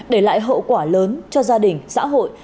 để lại hậu quả lớn cho gia đình xã hội